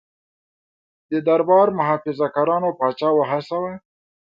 د دربار محافظه کارانو پاچا وهڅاوه.